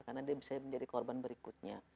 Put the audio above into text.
karena dia bisa menjadi korban berikutnya